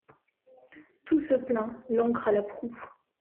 Tout se plaint, l'ancre à la proue